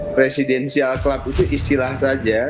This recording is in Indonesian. presidensial club itu istilah saja